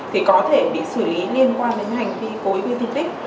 thì có thể bị xử lý liên quan đến những hành vi cối biên thiết tích